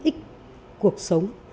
ít cuộc sống